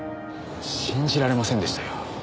信じられませんでしたよ。